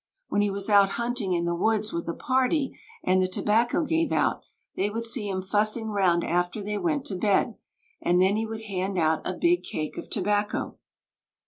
When he was out hunting in the woods with a party and the tobacco gave out, they would see him fussing round after they went to bed, and then he would hand out a big cake of tobacco."